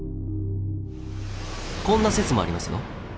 こんな説もありますよ。